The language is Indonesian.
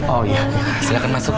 oh iya silahkan masuk pak